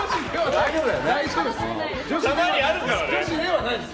大丈夫です。